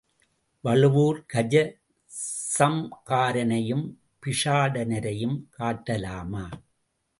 வழுவூர் கஜ சம்ஹாரனையும் பிக்ஷாடனரையும் காட்டலாமா?